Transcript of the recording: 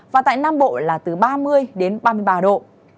và tại nam bộ là từ ba mươi đến ba mươi ba độ